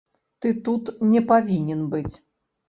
Ты тут не павінен быць.